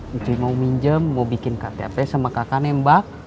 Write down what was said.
itu mau minjem mau bikin ktp sama kakak nembak